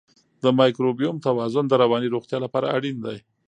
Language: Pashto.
د مایکروبیوم توازن د رواني روغتیا لپاره اړین دی.